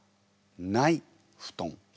「ない蒲団」。